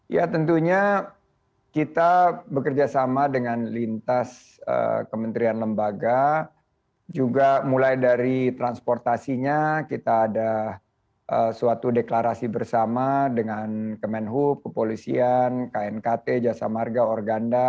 ya tentunya kita bekerja sama dengan lintas kementerian lembaga juga mulai dari transportasinya kita ada suatu deklarasi bersama dengan kemenhub kepolisian knkt jasa marga organda